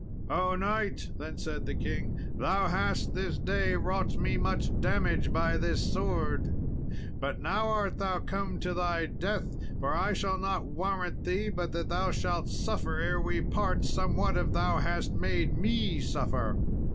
"Oh, knight!" then said the king, "thou hast this day wrought me much damage by this sword, but now art thou come to thy death, for I shall not warrant thee but that thou shalt suffer, ere we part, somewhat of that thou hast made me suffer."